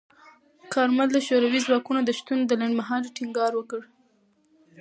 کارمل د شوروي ځواکونو د شتون د لنډمهالۍ ټینګار وکړ.